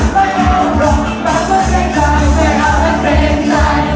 ไม่ดีกว่าเกรงใจไม่เอาและเกรงใจ